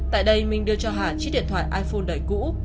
tại đây mình đưa cho hà chiếc điện thoại iphone đầy cũ